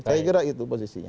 saya kira itu posisinya